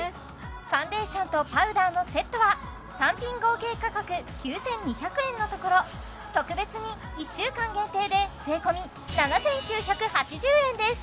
ファンデーションとパウダーのセットは単品合計価格９２００円のところ特別に１週間限定で税込７９８０円です